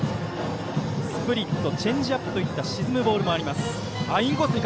スプリットチェンジアップといった沈むボールもあります。